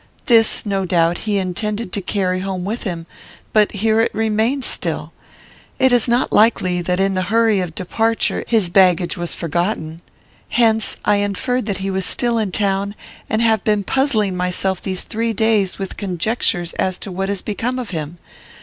This, no doubt, he intended to carry home with him, but here it remains still. It is not likely that in the hurry of departure his baggage was forgotten. Hence, I inferred that he was still in town, and have been puzzling myself these three days with conjectures as to what is become of him.